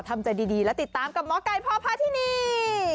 ทำใจดีและติดตามกับหมอไก่พ่อพาที่นี่